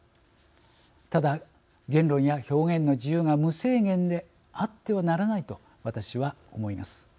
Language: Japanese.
ただ言論や表現の自由が無制限であってはならないと私は思います。